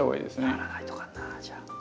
やらないといかんなじゃあ。